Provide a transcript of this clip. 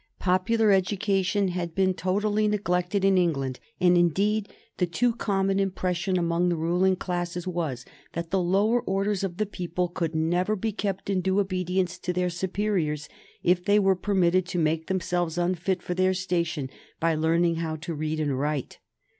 Popular education had been totally neglected in England, and, indeed, the too common impression among the ruling classes was that the lower orders of the people could never be kept in due obedience to their superiors if they were permitted to make themselves unfit for their station by learning how to read and write.